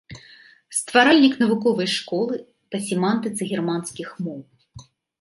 Стваральнік навуковай школы па семантыцы германскіх моў.